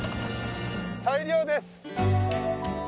大漁です。